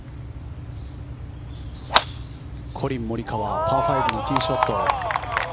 コリン・モリカワパー５のティーショット。